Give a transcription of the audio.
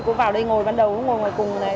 cô vào đây ngồi ban đầu cô ngồi ngoài cùng này